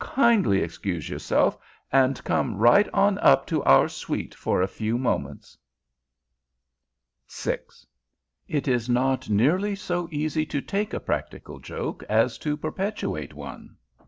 "Kindly excuse yourself and come right on up to our suite for a few moments!" VI It is not nearly so easy to take a practical joke as to perpetrate one.